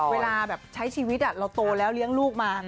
เวลาแบบใช้ชีวิตเราโตแล้วเลี้ยงลูกมา